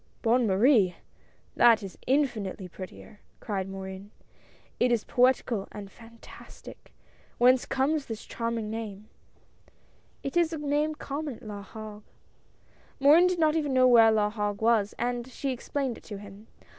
" Bonne Marie ! That is infinitely prettier," cried Morin; "it is poetical and fantastic. Whence comes this charming name ?" 164 QUARRELS AND INSULTS. "It is a name common at La Hague." Morin did not even know where La Hague was, and she explained it to him.